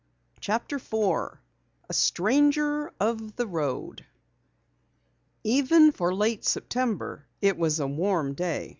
CHAPTER 4 A STRANGER OF THE ROAD Even for late September it was a warm day.